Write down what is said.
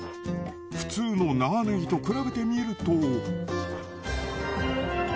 普通の長ネギと比べてみると。